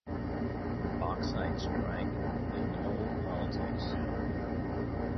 "The Bauxite Strike and Old Politics".